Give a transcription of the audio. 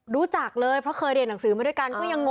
รู้จักเลยเพราะเคยเดียนนังสือไว้ด้วยกัน